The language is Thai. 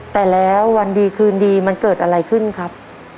แต่แล้ววันดีคืนดีมันเกิดอะไรขึ้นครับ